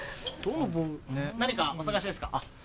何かお探しですか？